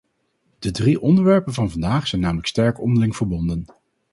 De drie onderwerpen van vandaag zijn namelijk sterk onderling verbonden.